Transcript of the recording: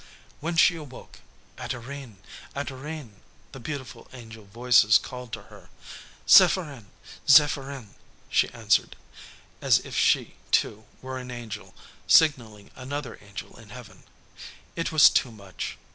When she awoke, "Adorine! Adorine!" the beautiful angel voices called to her; "Zepherin! Zepherin!" she answered, as if she, too, were an angel, signaling another angel in heaven. It was too much.